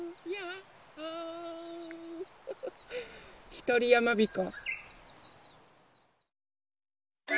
ひとりやまびこ。